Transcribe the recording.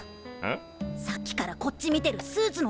さっきからこっち見てるスーツの男がいるぞ。